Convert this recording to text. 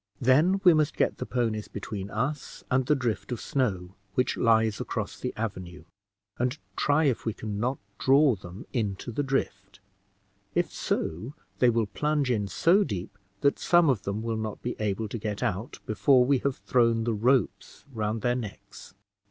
Then we must get the ponies between us and the drift of snow which lies across the avenue, and try if we can not draw them into the drift. If so, they will plunge in so deep that some of them will not be able to get out before we have thrown the ropes round their necks."